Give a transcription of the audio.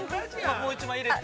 ◆もう一枚入れて。